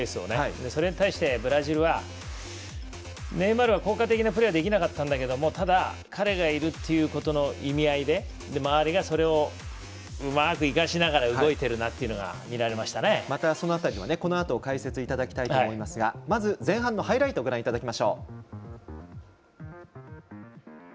それに対してブラジルはネイマールが効果的なプレーはできなかったんだけれどもただ彼がいるということの意味合いで周りがそれをうまく生かしながら動いているなというのがまたその辺りはこのあと解説いただきたいと思いますが前半のハイライトをご覧いただきましょう。